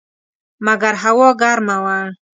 مګر هوا ګرمه وه.